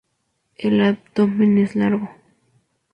El abdomen es largo.